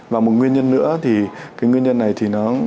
và một nguyên nhân nữa thì cái nguyên nhân này thì nó